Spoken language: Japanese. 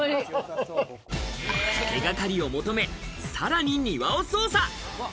手掛かりを求め、さらに庭を捜査。